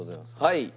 はい！